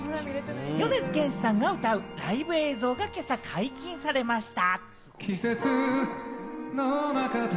米津玄師さんが歌うライブ映像が今朝解禁されました。